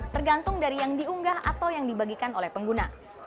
tergantung dari yang diunggah atau yang dibagikan oleh pengguna